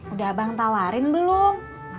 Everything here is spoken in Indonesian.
udah abang tawarin belum